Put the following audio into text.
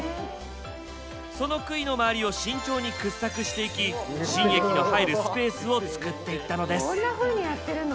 その杭の周りを慎重に掘削していき新駅の入るスペースを作っていったのです。